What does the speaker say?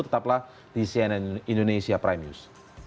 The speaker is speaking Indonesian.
tetaplah di cnn indonesia prime news